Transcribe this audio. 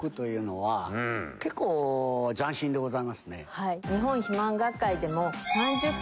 はい。